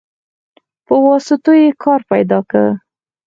په واسطو يې کار پيدا که.